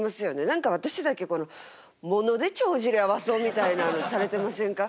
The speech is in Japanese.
何か私だけこの物で帳尻合わそうみたいなあのされてませんか？